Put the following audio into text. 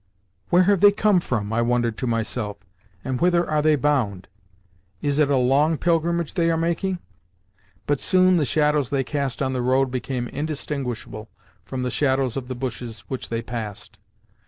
"Where have they come from?" I wondered to myself, "and whither are they bound? Is it a long pilgrimage they are making?" But soon the shadows they cast on the road became indistinguishable from the shadows of the bushes which they passed.